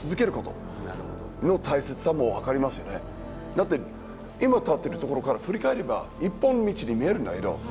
だって今立ってる所から振り返れば一本道に見えるんだけどあっ